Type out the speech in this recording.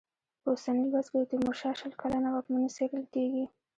په اوسني لوست کې د تېمورشاه شل کلنه واکمني څېړل کېږي.